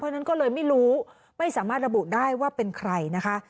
เพราะฉะนั้นก็เลยไม่รู้ไม่สามารถระบุได้ว่าเป็นใครนะคะ